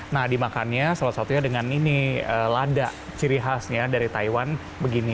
nah dimakannya salah satunya dengan ini lada ciri khasnya dari taiwan begini